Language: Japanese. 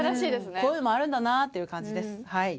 こういうのもあるんだなっていう感じですはい。